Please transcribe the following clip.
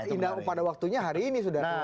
indah pada waktunya hari ini sudah